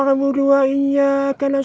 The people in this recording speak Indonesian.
assalamualaikum warahmatullahi wabarakatuh